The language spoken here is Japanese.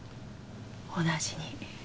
同じに。